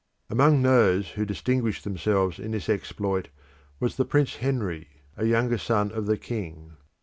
Among those who distinguished themselves in this exploit was the Prince Henry, a younger son of the king.